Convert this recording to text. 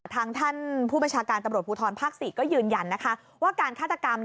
ทางท่านผู้บัญชาการตำรวจภูทรภาค๔ก็ยืนยันนะคะว่าการฆาตกรรม